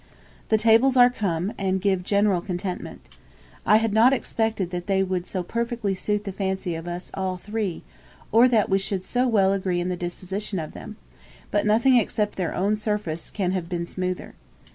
The tables are come, and give general contentment. I had not expected that they would so perfectly suit the fancy of us all three, or that we should so well agree in the disposition of them; but nothing except their own surface can have been smoother.